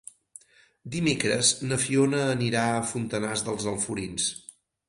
Dimecres na Fiona anirà a Fontanars dels Alforins.